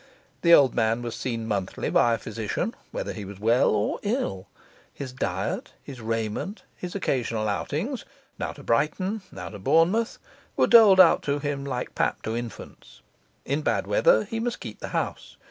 The old man was seen monthly by a physician, whether he was well or ill. His diet, his raiment, his occasional outings, now to Brighton, now to Bournemouth, were doled out to him like pap to infants. In bad weather he must keep the house.